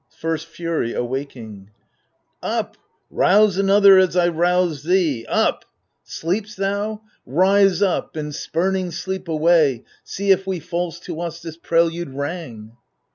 First Fury (awaking) Up ! rouse another as I rouse thee ; up ! THE FURIES 143 Sleep'st thou ? Rise up, and spuming sleep away, I See we if false to us this prelude rang.